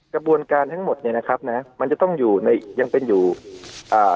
กระบวนการทั้งหมดเนี้ยนะครับนะมันจะต้องอยู่ในยังเป็นอยู่อ่า